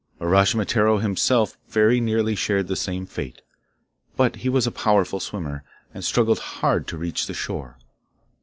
Uraschimataro himself very nearly shared the same fate. But he was a powerful swimmer, and struggled hard to reach the shore.